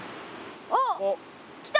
おっ来た！